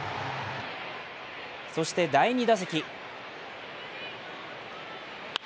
そして第２打席。